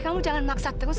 kamu jangan maksa terus